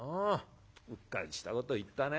うっかりしたこと言ったね。